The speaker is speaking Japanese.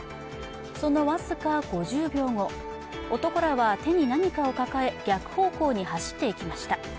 その僅か５０秒後、男らは手に何かを抱え逆方向に走っていきました。